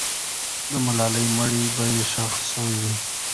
د ملالۍ مړی به ښخ سوی وي.